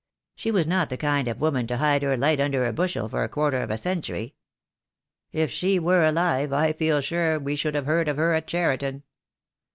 She was not the kind of woman to hide her light under a bushel for a quarter of a century. If she were alive I feel sure we should have heard of her at Cheriton.